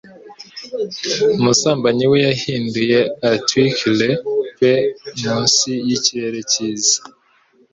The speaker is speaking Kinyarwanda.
Umusambanyi we yahinduye a-twinkle pe munsi yikirere cyiza.